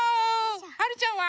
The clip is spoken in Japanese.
はるちゃんは？